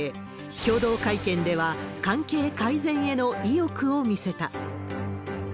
共同会見では、関係改善への意欲を見せた。